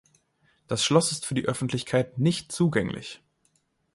Das Schloss ist für die Öffentlichkeit nicht zugänglich.